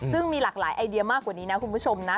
ซึ่งมีหลากหลายไอเดียมากกว่านี้นะคุณผู้ชมนะ